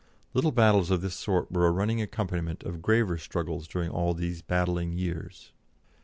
Little battles of this sort were a running accompaniment of graver struggles during all these battling years.